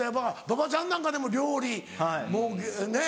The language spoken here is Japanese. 馬場ちゃんなんかでも料理もね。